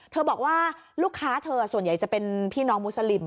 บอกว่าลูกค้าเธอส่วนใหญ่จะเป็นพี่น้องมุสลิม